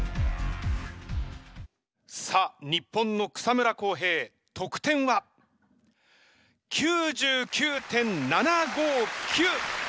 さあ日本の草村航平得点は？９９．７５９！